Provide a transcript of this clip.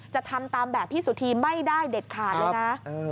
จะทำตามแบบพี่สุธีไม่ได้เด็ดขาดเลยนะ